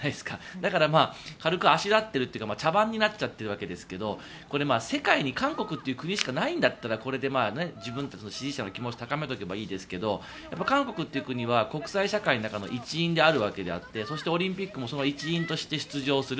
だから軽くあしらっているというか茶番になっているわけだけど世界に韓国という国しかないんだったらこれで自分たちの支持者の気持ちを高めておけばいいですけど韓国という国は国際社会の中の一員であるわけでオリンピックもその一員として出場する。